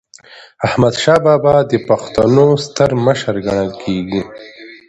احمدشاه بابا د پښتنو ستر مشر ګڼل کېږي.